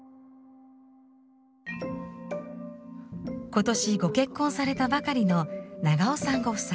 今年ご結婚されたばかりの永尾さんご夫妻。